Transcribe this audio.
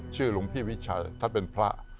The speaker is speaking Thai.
หลวงพี่วิชัยท่านเป็นพระ